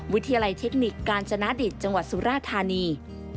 วิทยาลัยเทคนิคกาญจนาดิตจังหวัดสุราธานี